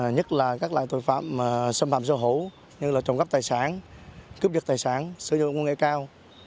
nhất là các loại tội phạm xâm phạm sơ hữu như là trồng gấp tài sản cướp dứt tài sản sử dụng nguồn nghệ cao